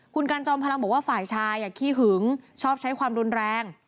คุณกันจอมพลังบอกว่าฝ่ายชายขี้หึงชอบใช้ความรุนแรง